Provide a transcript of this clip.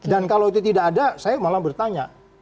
dan kalau itu tidak ada saya malah bertanya